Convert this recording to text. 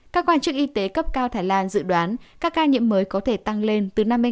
các quan chức y tế cấp cao thái lan dự đoán các ca nhiễm mới có thể tăng lên từ năm mươi đến một trăm linh ca một ngày